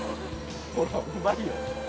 ほらうまいよ。